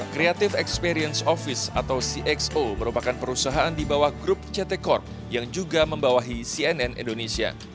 creative experience office atau cxo merupakan perusahaan di bawah grup ct corp yang juga membawahi cnn indonesia